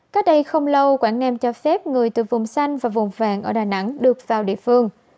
cách đây không lâu quảng nam cho phép người từ vùng xanh và vùng vàng ở đà nẵng được vào địa phương